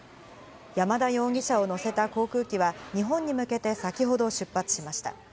山田容疑者を乗せた航空機は日本に向けて先ほど出発しました。